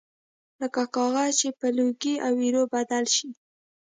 لکه کاغذ چې په لوګي او ایرو بدل شي